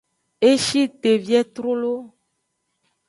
E shi te vie trolo.